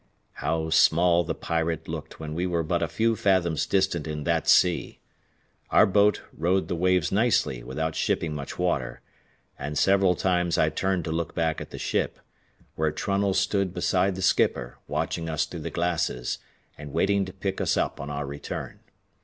How small the Pirate looked when we were but a few fathoms distant in that sea! Our boat rode the waves nicely without shipping much water, and several times I turned to look back at the ship, where Trunnell stood beside the skipper, watching us through the glasses, and waiting to pick us up on our return.